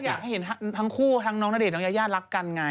อยากให้เห็นทั้งคู่ทั้งน้องณเดชนน้องยายารักกันไง